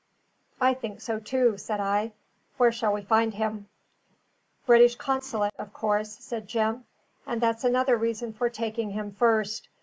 "I think so, too," said I. "Where shall we find him?" "British consulate, of course," said Jim. "And that's another reason for taking him first.